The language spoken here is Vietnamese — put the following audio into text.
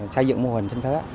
xây dựng mô hình trên thế